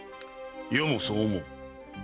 余もそう思う。